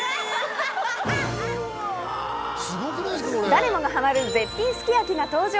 誰もがハマる絶品すき焼きが登場。